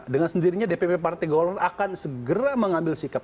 dengan sendirinya dpp partai golkar akan segera mengambil sikap